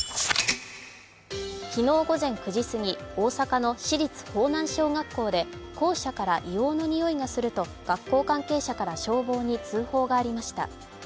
昨日午前９時すぎ、大阪の市立豊南小学校から校舎から硫黄のにおいがすると、学校関係者から消防に通報がありました。